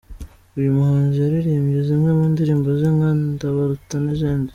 Uyu muhanzi yaririmbye zimwe mu ndirimbo ze nka ‘Ndabaruta' n’izindi.